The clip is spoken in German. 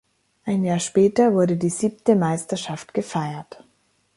Ein Jahr später wurde die siebte Meisterschaft gefeiert.